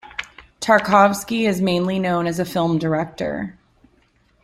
Tarkovsky is mainly known as a film director.